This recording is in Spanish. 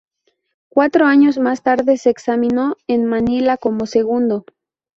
Cuatro años más tarde se examinó en Manila como segundo.